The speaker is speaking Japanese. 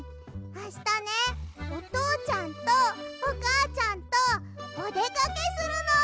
あしたねおとうちゃんとおかあちゃんとおでかけするの！